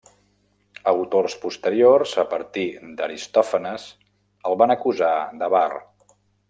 Autors posteriors, a partir d'Aristòfanes, el van acusar d'avar.